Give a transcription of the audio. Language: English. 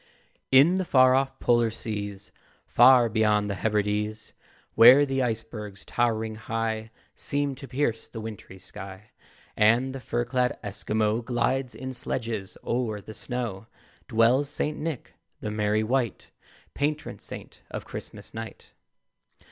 In the far off Polar seas, Far beyond the Hebrides, Where the icebergs, towering high, Seem to pierce the wintry sky, And the fur clad Esquimaux Glides in sledges o'er the snow, Dwells St. Nick, the merry wight, Patron saint of Christmas night.